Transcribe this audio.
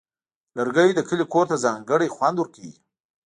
لرګی د کلي کور ته ځانګړی خوند ورکوي.